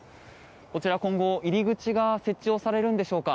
こちら、今後、入り口が設置されるんでしょうか。